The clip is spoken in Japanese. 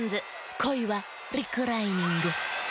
「こいはリクライニング」。